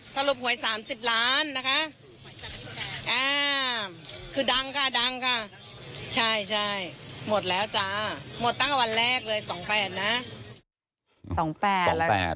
สองแปด